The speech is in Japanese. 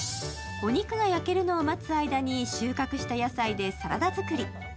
お肉が焼けるのを待つ間に収穫した野菜でサラダ作り。